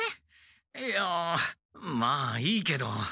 いやまあいいけど。